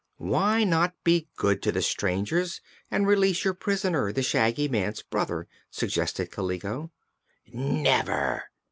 "Why not be good to the strangers and release your prisoner, the Shaggy Man's brother?" suggested Kaliko. "Never!"